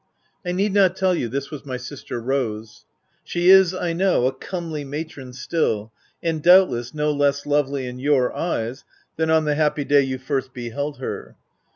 I need not tell you this was my sister Rose. She is, I know, a comely matron still, and, doubtless, no less lovely — in your eyes— than on the happy day you first beheld her.